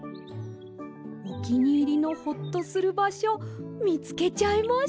おきにいりのホッとするばしょみつけちゃいました。